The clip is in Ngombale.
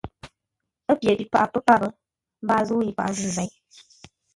Ə́ pye pi paghʼə pə̌ páp, mbaa zə̂u yi paghʼə zʉ̂ zěi.